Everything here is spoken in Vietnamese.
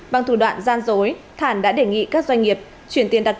bằng thủ đoạn gian dối thản đã đề nghị các doanh nghiệp chuyển tiền đặt